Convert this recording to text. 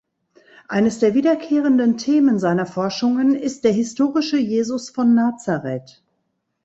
Eines der wiederkehrenden Themen seiner Forschungen ist der historische Jesus von Nazareth.